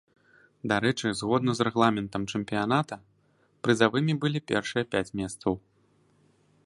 Дарэчы, згодна з рэгламентам чэмпіяната прызавымі былі першыя пяць месцаў.